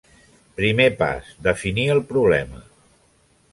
Primer pas: definir el problema.